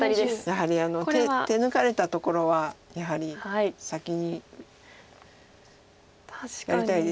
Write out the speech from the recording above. やはり手抜かれたところはやはり先にやりたいですよね。